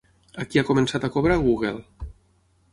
A qui ha començat a cobrar Google?